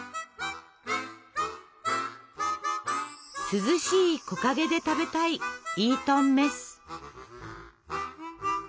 涼しい木陰で食べたいイートンメス。